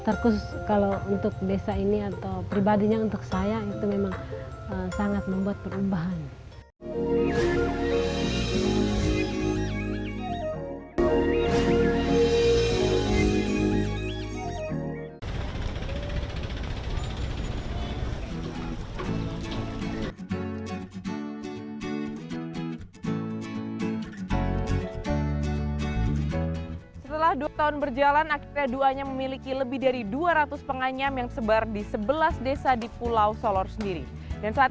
terkhusus kalau untuk desa ini atau pribadinya untuk saya